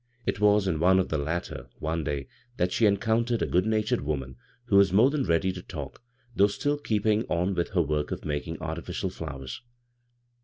It was in one of the latter one day that ^e encoun tered a good natured woman who was more than ready to talk, though sttU keeping on with her work of making artifidal flowers.